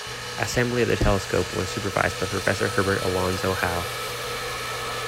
Assembly of the telescope was supervised by Professor Herbert Alonzo Howe.